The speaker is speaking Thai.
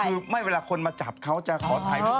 คือเวลาคนมาจับเขาจะขอถ่ายมาก